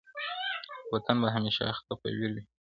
دا وطن به همېشه اخته په ویر وي -